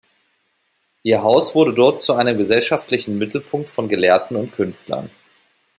Ihr Haus wurde dort zu einem gesellschaftlichen Mittelpunkt von Gelehrten und Künstlern.